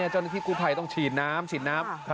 เจ้าหน้าที่กู้ภัยต้องฉีดน้ำฉีดน้ำ